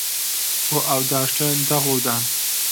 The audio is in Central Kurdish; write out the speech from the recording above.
بۆ ئاو داشتن دەغڵ و دان